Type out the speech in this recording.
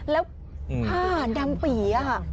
แล้วอ้าวน้ำปี่